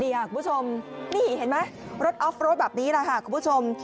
นี่คุณผู้ชมนี่เห็นมั้ยรถอฟโรดแบบนี้ล่ะค่ะคุณผู้ชม